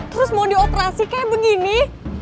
terus mau dioperasi kayak begini